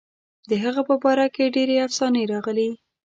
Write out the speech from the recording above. د هغه په باره کې ډېرې افسانې راغلي.